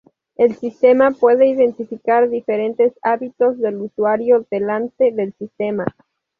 El sistema puede identificar diferentes hábitos del usuario delante del sistema.